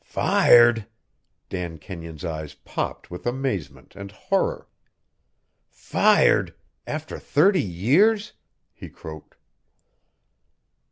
"Fired!" Dan Kenyon's eyes popped with amazement and horror. "Fired after thirty years!" he croaked.